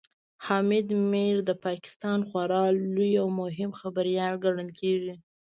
حامد میر د پاکستان خورا لوی او مهم خبريال ګڼل کېږي